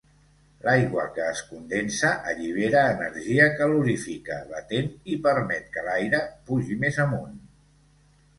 L'aigua que es condensa allibera energia calorífica latent i permet que l'aire pugi més amunt.